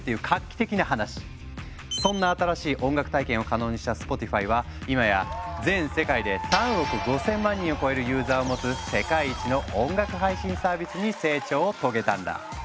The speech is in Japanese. そんな新しい音楽体験を可能にしたスポティファイは今や全世界で３億５，０００万人を超えるユーザーを持つ世界一の音楽配信サービスに成長を遂げたんだ。